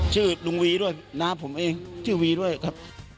ชื่อลุงวีด้วยน้าผมเองชื่อวีด้วยครับ